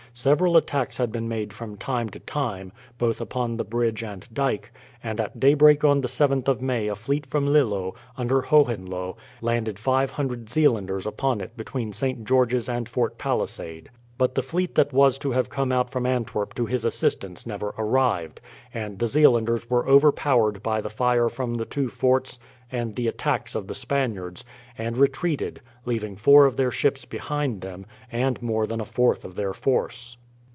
Several attacks had been made from time to time, both upon the bridge and dyke, and at daybreak on the 7th of May a fleet from Lillo, under Hohenlohe, landed five hundred Zeelanders upon it between St. George's and Fort Palisade. But the fleet that was to have come out from Antwerp to his assistance never arrived; and the Zeelanders were overpowered by the fire from the two forts and the attacks of the Spaniards, and retreated, leaving four of their ships behind them, and more than a fourth of their force.